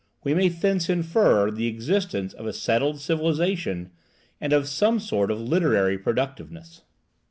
We may thence infer the existence of a settled civilization and of some sort of literary productiveness.